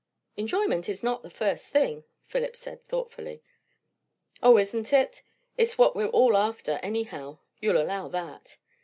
"Enjoyment is not the first thing," Philip said thoughtfully. "O, isn't it! It's what we're all after, anyhow; you'll allow that."